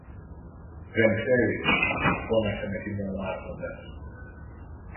Δεν ξέρεις; φώναξε με θυμό ο Άρχοντας.